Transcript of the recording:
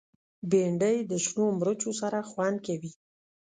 بېنډۍ د شنو مرچو سره خوند کوي